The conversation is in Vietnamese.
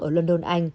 ở london anh